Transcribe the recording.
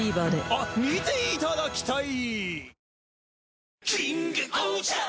あっ見ていただきたい！